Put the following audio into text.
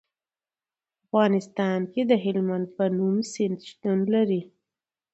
په افغانستان کې د هلمند په نوم سیند شتون لري.